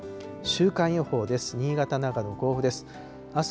週間予報です。